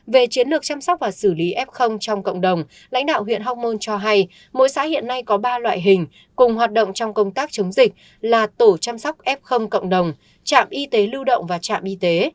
về chiến lược chăm sóc và xử lý f trong cộng đồng lãnh đạo huyện hóc môn cho hay mỗi xã hiện nay có ba loại hình cùng hoạt động trong công tác chống dịch là tổ chăm sóc f cộng đồng trạm y tế lưu động và trạm y tế